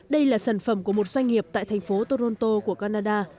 đây là sản phẩm của một doanh nghiệp tại thành phố toronto của canada